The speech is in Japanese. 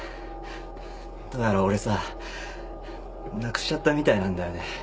どうやら俺さなくしちゃったみたいなんだよね。